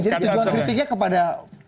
jadi tujuan kritiknya kepada